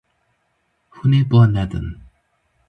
Hûn ê ba nedin.